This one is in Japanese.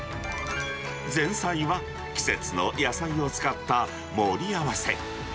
前菜は季節の野菜を使った盛り合わせ。